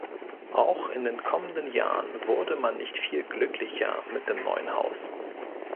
Auch in den kommenden Jahren wurde man nicht viel glücklicher mit dem neuen Haus.